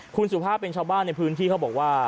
คุณสุภาพเป็นชาวบ้านในพื้นที่เขาบอกว่า